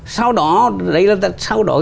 sau đó đấy là sau đó